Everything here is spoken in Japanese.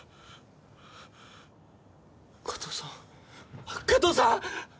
加藤さん加藤さん！